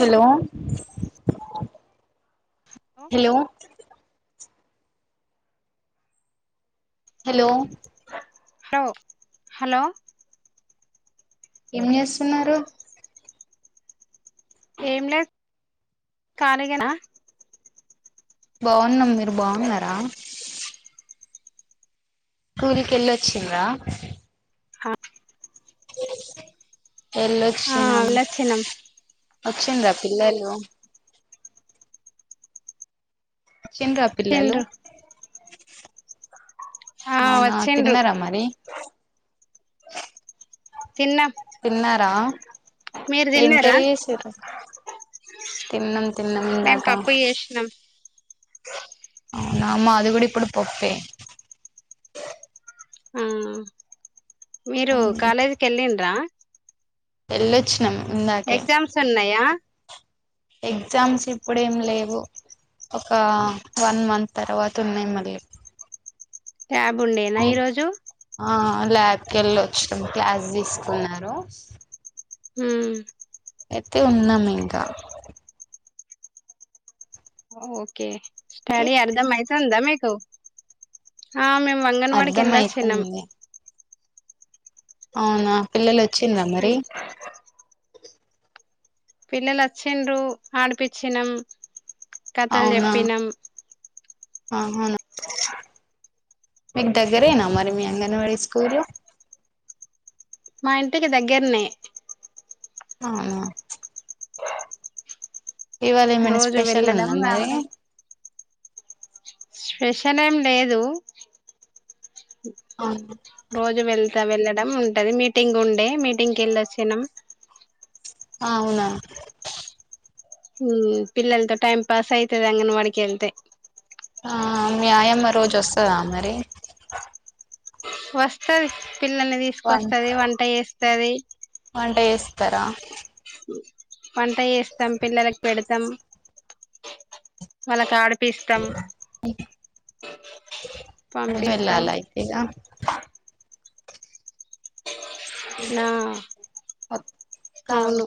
Hello hello hello hello hello ఏం చేస్తున్నారు ఏం లేదు కాలిగనా బాగున్నాం మీరు బాగున్నారా టూర్ కి కెల్ వచ్చింద్రా అ అ ఆ ఎలొవచ్చి వెళ్ళొచ్చినాం వచ్చింద పిల్లలు వచ్చిండ్రా పిల్లలు తిండ్రు ఆ అవునా వచ్చిండ్రు తిన్నారమ్మరి తిన్నాం తిన్నారా మీరు ఎం తిన్నారా కర్రీ చేసిండ్రు తినం మేం పప్పు చేసినాం అవునామ అది కూడాడి ఇప్పుడు పప్పే ఆ మీరు కాలేజీకి వెళ్ళండ్రా వెళ్ళొచ్చినము ఎగ్జామ్స్ ఉన్నాయా ఎగ్జామ్స్ ఇప్పుడేం లేవు ఒక వన్ మంత్ తర్వాత ఉన్నాయి మళ్ళీ క్యాబ్ ఉండేనా మీ ఈరోజు ఆ ల్యాబ్కి వెళ్ళ వచ్చు క్లాస్ తీసుకున్నారు హ అయితే ఉన్నాం ఇంకా ఓకే స్టాడ అర్ధ మైస అందా మ అంగన్వాడికి అర్థం ఎంద చిహ్నం అయితుంది అవునా పిలల వచ్చిందా మరి పిల్లలు వచ్చిండ్రు ఆడిపిచ్చినాం కథలు చెప్పినాం ఆ అవునా మీకు దగ్గరేనా మరి మీ అంగన్వాడీ స్కూలు మా ఇంటికి దగ్గరనే అవునా ఇవాళ ఏమైనా రోజు స్పెషల్ వెళ్ళడం ఉందా మరి రావడం స్పెషన్ ఏం లేదు అవునా రోజు వెళ్త ఇ వెళ్ళడం ఉంటది మీటింగ్ ఉండే మీటింగ్కి వెళ్ళచ్చినం ఆ అవునా హ పిల్లలతో టైమ్ పాస్ అయితది అంగన్ వాడికిళ్తే ఆ మీ ఆయమ్మ రోజు వస్తందా మరి వస్తది పిల్లల్ని వం తీసుకొస్తంది వంట చేస్తది వంట చేస్తారా వాంట చేస్తాం పిల్లలకు పెడతాం వాలు కాడా అది ఎట్లా పంపిస్తాం అయితే నా కాదు అవును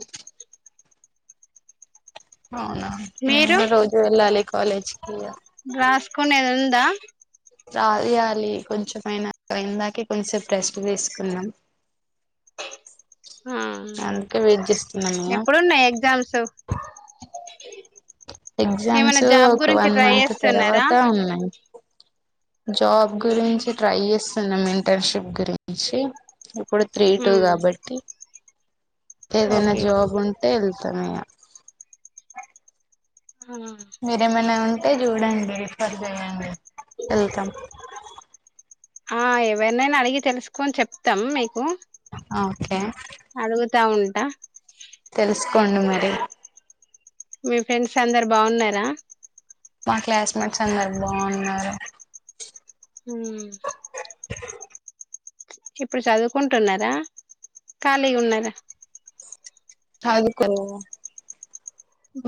అవునా మేం గూ రోజూ వెళ్ళాలి కాలేజ్ గ్రాస్కనేద్ ఉం దా రాయాలి కొంచెంమైనా అందాక కొంచసేపు రెస్ట్ తీసుకున్నాం ఆ అందుకే వెయిట్ చేస్తున్నమ్ ఇగ, ఎప్పుడున్నాయి ఎగ్జామ్స్ ఏమైనా ఎగ్జామ్స్ జాబ్ ఒక గురించి వన్ ట్రై మంత్ చేస్తున్నారా తర్వాత జాబ్ గురించి ట్రై చేస్తున్నాం ఇంటర్న్షిప్ గురించి ఇప్పు త్రీ టూ ఉమ్ కాబట్టి ఏదేనా ఓకే జాబ్ ఉంటా ఎల్ త్తమ మీరేమైనా ఉంటే చూడండి రిఫర్ చేయండి వెల్తమ్ ఆ ఎవరినైనా అడిగి తెలుసుకుని చెప్తాం మీకు అ వా ఉంటా కొన్న మరి మీ ఫ్రెండ్స్ అందరు బాగున్నారా మా క్లాస్మేట్స్ అందరు బాగున్నారు మ్ [inaudible] ఇప్పుడు చదువుకుంటున్నారా ఖాళీ ఉన్నారా అదుకో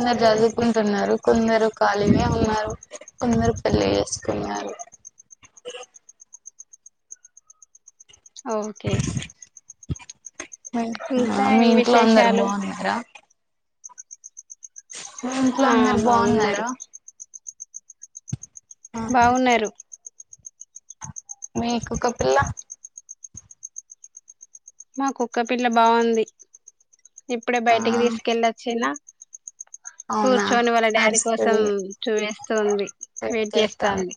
మజదు కుంటున్నారు కొందరు కాలిగా ఉన్నారు కొందరు పెళ్లి చేసుకున్నారు. ఓకే ఇంకా మీ ఏం ఇంట్లో అందరు విశేషాలు బాగున్నారా మా ఇంట్లో ఆ అందరు బాగున్నారు బాగున్నారా ఆహా బావున్నారు మీకు ఒక పిల్ల మా కుక్క పిల్ల బాగుంది ఇప్పుడే ఆ బయటికి తీసుకెళ్ళొచ్చిన అవునా కూర్చొని వాళ్ళ డాడీ కోసం అరుస్తది చూపేస్తుంది వెయిట్ చేస్తాంది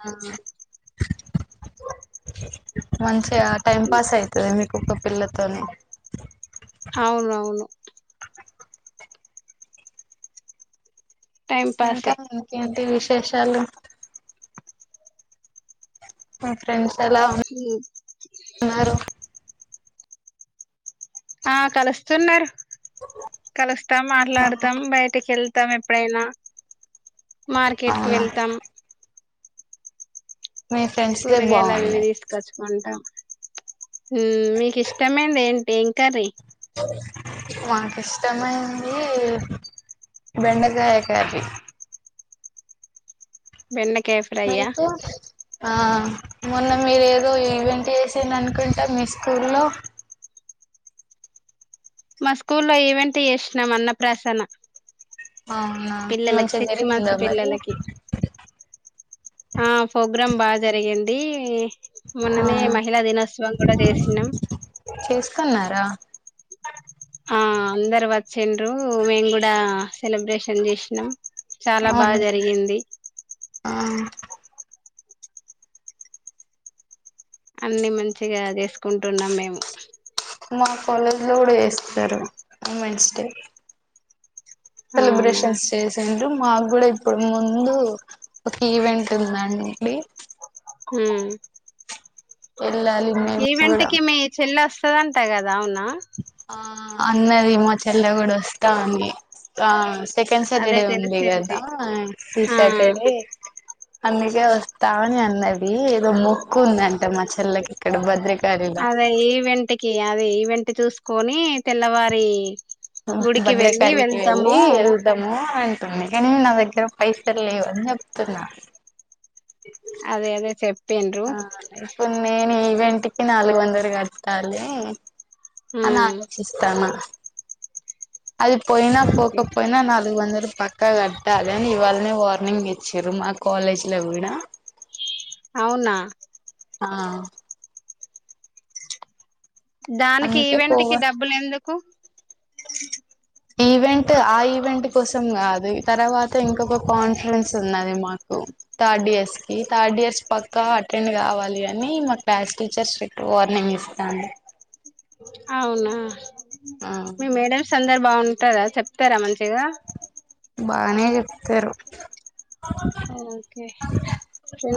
మంచి టైమ్ పాస్ అయితది మి కుక్క పిల్లతోని అవునవును టైం ఇంకా పాసే ఇంకేటి విస్ విశేషాలు ఫ్రెండ్స్ ఎలా ఉన్ ఉమ్. ఉన్నారు ఆ కలుస్తుంరు కలుస్తాం మాట్లాడుతాం బయటకి వెళ్తాం ఎ ప్పుడేనా మార్కెట్ కి అవునా వెళ్తాం మీ ఫ్రెండ్స్ దే కూరగాయలా అవి ఇవి బాగున్నాయి తీసుకొచ్చుకుంటాం ఉమ్ మీకు ఇష్టమేంది ఏంటి ఏం కర్రీ మాకు ఇష్టమైంది బెండకాయ కర్రీ వెన్నక్ మీకు ఆ మొన్న మీరు ఏదో ఈవెంట్ చేసిన్రు అనుకుంటా మీ స్కూల్లో మా స్కూల్ లో ఈవెంట్ చేసినాం అన్నప్రాసన అవునా పిల్లలకి మంచిగా సిక్స్ మంత్స్ జరిగిందా మరి పిల్లలకి ఆ ఫ భ్రం బాగ జరిగింది. మొన్ననే అవునా మహిళా దినోత్సవం గుడా చేసినాం. కున్నారా ఆ అందరు వచ్చింన్రూ మేం గుడా సెలబ్రేషన్స్ చేసినాం చాలా బాగా అవును జరిగింది. ఆ అన్ని మంచిగా చేసుకుంటున్నాం మేము మా కాలేజ్లో గుడా చేస్తరు ఉమెన్స్ డే అవునా సెలబ్రేషన్స్ చేసిండు మాకు గూడా ఇప్పుడు ముందు ఒక ఈవెంట్ ఉందండి మ్మ్. వెళ్ళాలి మేము ఈవెంట్ కూడా కి మీ చెల్ల స్ వస్తదంట కదా అవునా ఆ అన్నది మా చెల్ల గుడా వస్తాంది ఆ సెకండ్ అదే సాటర్డే ఉంది తెలిసింది కదా ఈ ఆ సాటర్డే అందుకే వస్తా అని అన్నది ఏదో మొక్కు ఉందంట మా చెల్లకి ఇక్కడ భద్రక అదే ఈవెంట్ కి అదే ఈవెంట్ చూస్ కొని తెల్లవారీ భద్రకాళీకి వెళ్ళి వెళ్తాము అని కని నా దగ్గర పైసల్ లేవు అని చెప్తున్నా అదే అదే చెప్ ఆ ఇప్పుడ్ నేన్ రెంట్ కి నాలుగు వందలు కట్టాలే ఉమ్ అనాలోచిస్తాన్నా అది పోయినా ఓకే పోకపోయినా నాలుగు వందలు ప పక్కా కట్టాలే అని ఇవాల్నే వార్నింగ్ ఇచ్చిరు మా కాలేజ్ లో గుడా అవునా ఆ దానికి అందుకే ఈవెంట్ పోవ కి డబ్బులు ఎందు కు ఈవెంట్ ఆ ఈవెంట్ కోసం కాదు తర్వాత ఇంకొక కాన్ఫరెన్స్ ఉన్నది మాకు థర్డ్ ఇయర్స్ కి, థర్డ్ ఇయర్స్ పక్క అటెండ్ కావాలి అని మా క్లాస్ టీచర్ స్ట్రిక్ట్ వార్నింగ్ ఇస్తాంది. అవునా ఆ మీ మేడంస్ అందరు బాగుంటారా చెప్తారా మంచిగా బానే చెప్తరు. ఆ ఓకే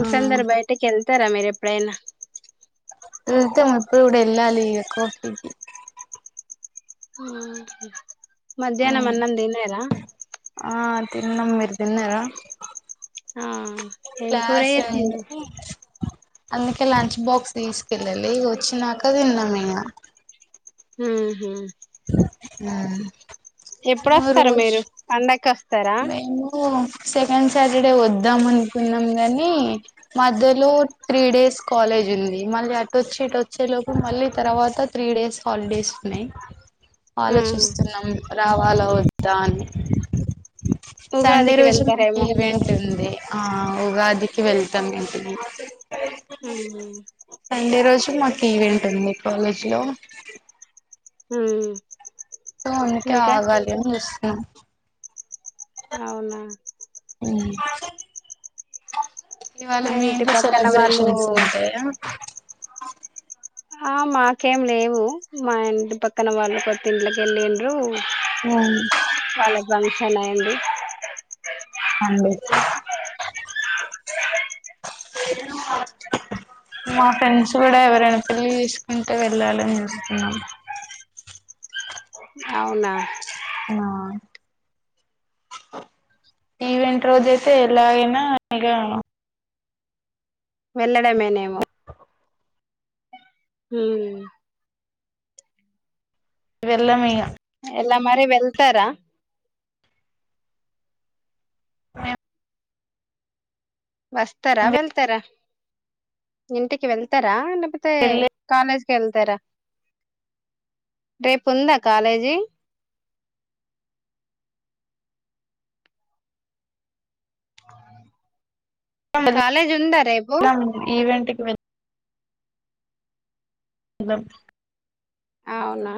ఆ అందరు బయటకి వెల్ తర మీరేప్పుడయినా వెల్తం ఇపుడు కూడా ఎలాలి ఇగ కాఫీకి ఆహా. మధ్యాహ్నం అన్నం దిన్నరా తిన్నము మీరు తిన్నరా ఆ ఎం కూర జెసిండ్రు ఉంది అందుకే లంచ్ బాక్స్ తీసుకెళ్ళాలే వచ్చినాక తిన్నామిగ. ఊ హు మ్ ఎప్పుడొస్తారు మీరు పండగ కి అ మేమూ సెకండ్ సాటర్డే వద్దాం అనుకున్నాం గాని మధ్యలో త్రీ డేస్ కాలేజ్ ఉంది మళ్ళ అటొచ్చిఇటు వచ్చే లోపు మళ్ళీ తర్వాత త్రీ డేస్ హాలిడేస్ ఉన్నయి ఉహు ఆలోచిస్తున్నాం రావాలా వద్దా అని. సండే ఉగాదికి రోజు మాకు వెళ్తారేమో ఈవెంట్ ఉంది. ఆ ఉగాదికి వెళ్తం ఇంటికి మ్ సండే రోజు హు మాకు ఈవెంట్ ఉంది కాలేజీ లో ఊ ఆ అందుకే ఆగాలి అని జూస్తున్న అవునా ఇవాళ మా మీ ఇంటి ఇంట్లో పక్కన వాళ్ళు సెలబ్రేషన్స్ ఉంటయా ఆ మాకేం లేవు మా ఇంటి పక్కన వాళ్ళు కొత్త ఇంట్లొకి ఎల్లిండ్రు వాళ్లకి [unintelligible] ఎన్న ఏంది అండి మా ఫ్రెండ్స్ కూడా ఎవరైనా పెళ్లి చేసుకుంటే వెళ్ళాలని చూస్తున్నాం అవునా ఆ ఈవెంట్ రోజు అయితే ఎలాగైనా ఇగా వెళ్ళడమేనేమో ఊ వెళ్ళమిగ ఎలా మరి వెళ్తారా మేం వస్తరా మేము వెళ్తరా ఇంటికి వెళ్తరా లె తే వెళ్ళ కాలేజ్ కెళ్తరా రేపు ఉందా కాలేజీ కాలేజ్ ఉందా రేపు వేల్ దం అవునా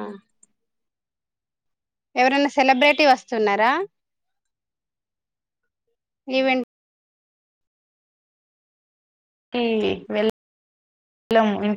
ఎవరన్నా సెలబ్రేటీ వస్తున్నారా ఈవెంట్ ఈ వెళ్లము ఇ